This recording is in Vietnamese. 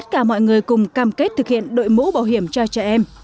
cùng cam kết thực hiện đội mũ bảo hiểm cho trẻ em